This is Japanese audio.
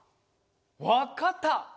わかった！